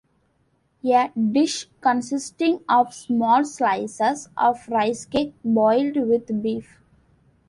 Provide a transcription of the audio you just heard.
A dish consisting of small slices of rice cake boiled with beef.